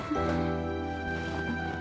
saya ingin tahu